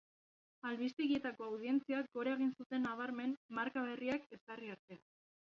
Albistegietako audientziak gora egin zuten nabarmen marka berriak ezarri arte.